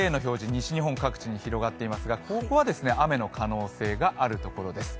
西日本各地に広がっていますけどここは雨の可能性があるところです。